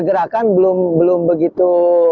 gerakan belum begitu